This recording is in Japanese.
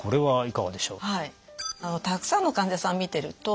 はい。